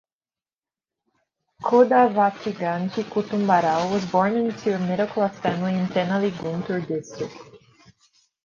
Kodavatiganti Kutumbarao was born in to a middle-class family in Tenali, Guntur district.